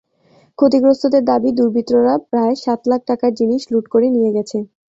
ক্ষতিগ্রস্তদের দাবি, দুর্বৃত্তরা প্রায় সাত লাখ টাকার জিনিস লুট করে নিয়ে গেছে।